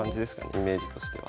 イメージとしては。